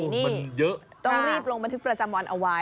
โอ้มันเยอะต้องรีบลงบัณฑฤหนาประจำวันเอาไว้